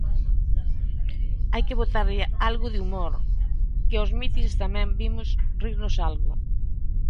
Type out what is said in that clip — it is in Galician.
"Hai que botarlle algo de humor, que aos mitins tamén vimos rirnos algo".